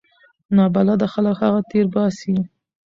نابلده خلک هغه تیر باسي.